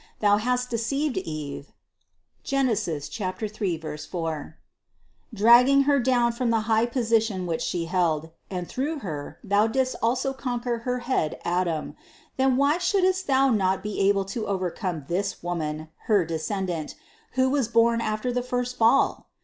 Thou hast deceived Eve, (Gen. 3, 4), dragging her down from the high position which she held, and through her thou didst also conquer her head Adam ; then why shouldst thou not be able to overcome this Woman, her descendant, who was born after the first fall?